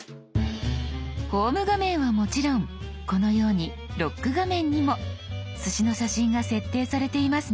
「ホーム画面」はもちろんこのように「ロック画面」にもすしの写真が設定されていますね。